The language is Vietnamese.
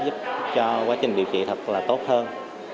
giúp cho quá trình điều trị thật là tốt hơn